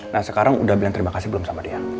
nah sekarang udah bilang terima kasih belum sama dia